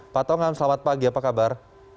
pak tongam selamat pagi apa kabar